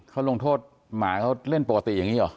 เขาลงโทษหมาเขาเล่นปกติอย่างนี้หรอ